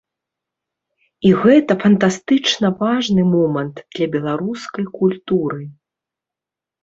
І гэта фантастычна важны момант для беларускай культуры.